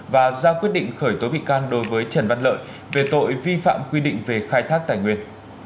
và ra quyết định khởi tố bị can đối với trần văn lợi về tội vi phạm quy định về khai thác tài nguyên